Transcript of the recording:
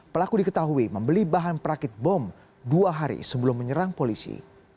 pelaku diketahui membeli bahan perakit bom dua hari sebelum menyerang polisi